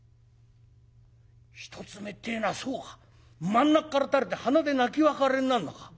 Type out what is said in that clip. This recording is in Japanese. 一つ目ってえのはそうか真ん中から垂れて鼻で泣き別れになるのか。